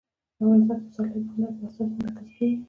افغانستان کې پسرلی د هنر په اثار کې منعکس کېږي.